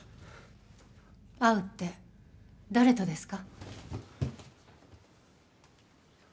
会うって誰とですか？